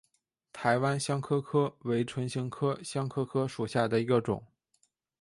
台湾香科科为唇形科香科科属下的一个种。